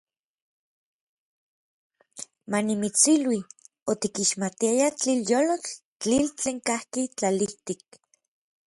Manimitsilui, otikixmatiayaj tlilyolotl, tlitl tlen kajki tlalijtik.